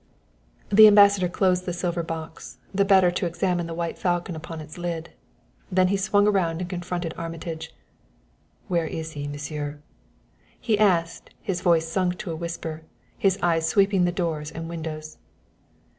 The Ambassador closed the silver box the better to examine the white falcon upon its lid. Then he swung about and confronted Armitage. "Where is he, Monsieur?" he asked, his voice sunk to a whisper, his eyes sweeping the doors and windows.